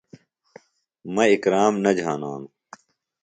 مہ اکرم نہ جھانانوۡ۔